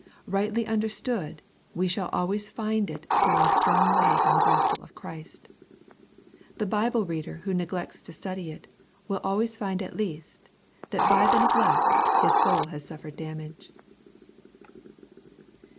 Bightly understood we shall always find it throwing strong light on the Gospel of Christ. The Bible reader who neglects to study it, will always find at least that by the neglect his soul has suffered damage.